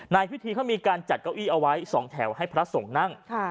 ในพิธีเขามีการจัดเก้าอี้เอาไว้๒แถวให้พระสงฆ์นั่ง